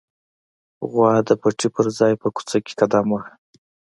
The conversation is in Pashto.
غوا د پټي پر ځای په کوڅه کې قدم واهه.